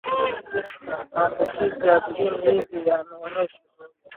Maambukizi ya viini hivi yameonyeshwa